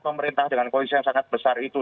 pemerintah dengan koalisi yang sangat besar itu